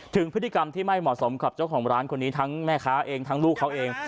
ถึงพฤติกรรมที่ไม่เหมาะสมกับเจ้าของร้านคนนี้ทั้งแม่ค้าเองทั้งลูกเขาเอง